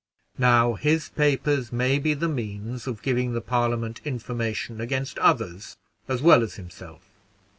Now his papers may be the means of giving the Parliament information against others as well as himself."